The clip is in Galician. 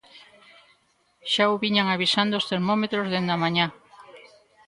Xa o viñan avisando os termómetros dende a mañá.